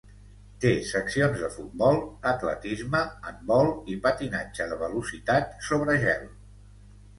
Té seccions de futbol, atletisme, handbol i patinatge de velocitat sobre gel.